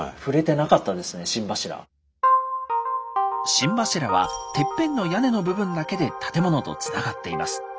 心柱はてっぺんの屋根の部分だけで建物とつながっています。